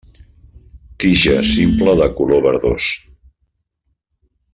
Tija simple de color verdós.